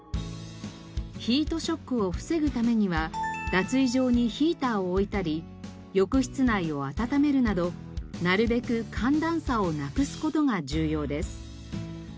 ヒートショックを防ぐためには脱衣場にヒーターを置いたり浴室内を暖めるなどなるべく寒暖差をなくす事が重要です。